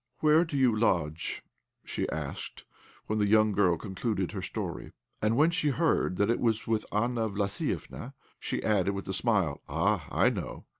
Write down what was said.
"Where do you lodge?" she asked, when the young girl concluded her story. And when she heard that it was with Anna Vlassiéfna, she added, with a smile: "Ah! I know!